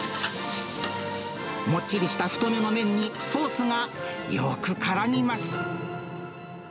もっちりした太めの麺にソースがよくからみます。